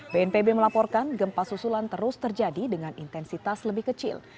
bnpb melaporkan gempa susulan terus terjadi dengan intensitas lebih kecil